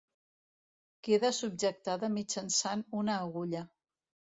Queda subjectada mitjançant una agulla.